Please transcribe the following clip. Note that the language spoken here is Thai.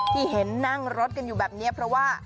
ที่เห็นนั่งรถกันอยู่แบบนี้เพราะว่า